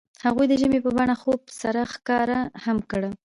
هغوی د ژمنې په بڼه خوب سره ښکاره هم کړه.